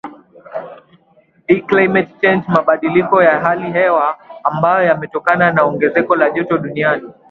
hii climate change mabadiliko ya hali hewa ambayo yametokana na ongezeko la joto duniani